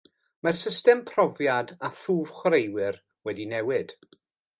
Mae'r “System Profiad a Thwf Chwaraewyr” wedi newid.